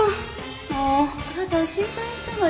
もうお母さん心配したのよ